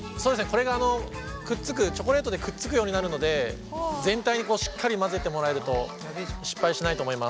これがくっつくチョコレートでくっつくようになるので全体にしっかり混ぜてもらえると失敗しないと思います。